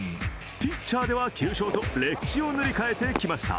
ピッチャーでは９勝と歴史を塗り替えてきました。